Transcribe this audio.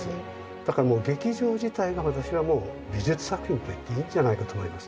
だから劇場自体が私はもう美術作品と言っていいんじゃないかと思います。